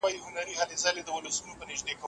د مینوپاز وروسته غوړ زیاتېږي.